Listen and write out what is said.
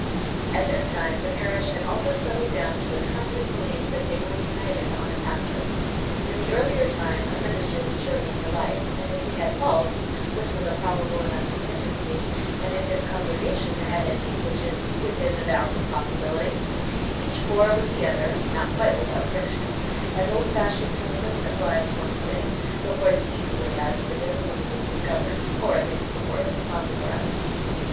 At this time the parish had almost settled down to the trembling belief that they were united on a pastor. In the earlier time a minister was chosen for life, and if he had faults, which was a probably enough contingency, and if his congregation had any, which is within the bounds of possibility, each bore with the other (not quite without friction), as old fashioned husbands and wives once did, before the easy way out of the difficulty was discovered, or at least before it was popularized.